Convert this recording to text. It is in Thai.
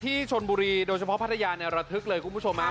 ที่ชนบุรีโดยเฉพาะพัทยาเนี่ยระทึกเลยคุณผู้ชมฮะ